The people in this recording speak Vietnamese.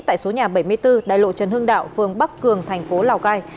tại số nhà bảy mươi bốn đài lộ trần hương đạo phường bắc cường thành phố lào cai